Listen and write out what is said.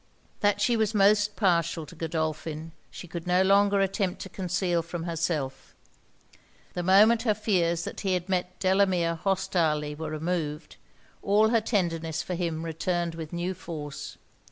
That she was most partial to Godolphin, she could no longer attempt to conceal from herself. The moment her fears that he had met Delamere hostilely were removed, all her tenderness for him returned with new force.